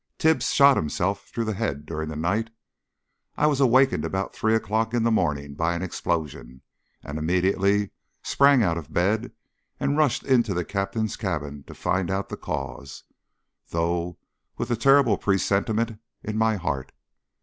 Tibbs shot himself through the head during the night. I was awakened about three o'clock in the morning by an explosion, and immediately sprang out of bed and rushed into the Captain's cabin to find out the cause, though with a terrible presentiment in my heart.